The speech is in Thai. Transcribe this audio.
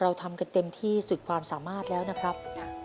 ทำกันเต็มที่สุดความสามารถแล้วนะครับ